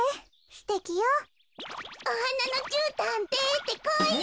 すてきよ。おはなのじゅうたんでてこい。